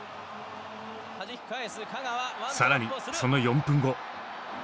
更にその４分後。